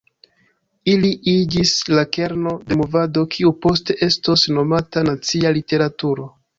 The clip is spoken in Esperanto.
Ili iĝis la kerno de movado kiu poste estos nomata nacia literaturo.